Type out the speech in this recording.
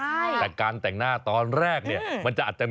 คุณดูภาพนี้มันต่างจากภาพวันงานแต่งงานมากเลยนะ